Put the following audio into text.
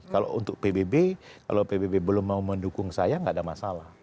kalau untuk pbb kalau pbb belum mau mendukung saya nggak ada masalah